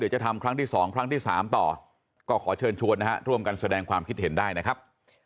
หลังเรายังต้องมีนะครับ